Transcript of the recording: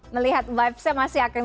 melihat vibesnya masih akan